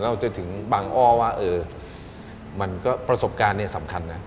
แล้วจะถึงบังอ้อว่าเออประสบการณ์เนี่ยสำคัญนะ